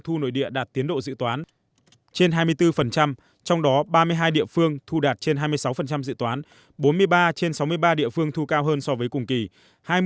thu nội địa đạt tiến độ dự toán trên hai mươi bốn trong đó ba mươi hai địa phương thu đạt trên hai mươi sáu dự toán bốn mươi ba trên sáu mươi ba địa phương thu cao hơn so với cùng kỳ